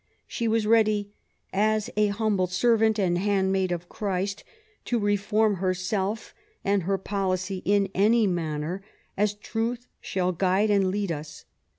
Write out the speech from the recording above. She was ready, as a humble servant and handmaid of Christ, to reform herself and her policy in any manner, as truth shall guide and lead us.